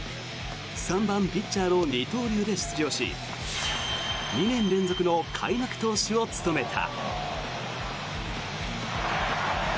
３番ピッチャーの二刀流で出場し２年連続の開幕投手を務めた。